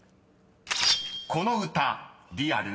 ［この歌リアル？